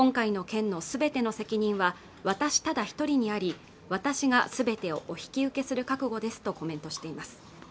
今回の件のすべての責任は私ただ一人にあり私がすべてをお引き受けする覚悟ですとコメントしています